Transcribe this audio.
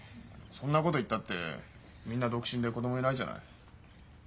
そんなこと言ったってみんな独身で子供いないじゃない。